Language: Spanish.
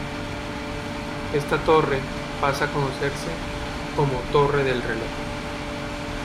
Esta torre pasa a conocerse como "Torre del reloj".